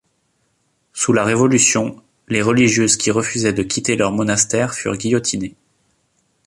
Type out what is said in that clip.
Sous la Révolution, les religieuses qui refusaient de quitter leur monastère furent guillotinées.